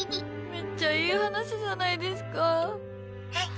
めっちゃいい話じゃないですか。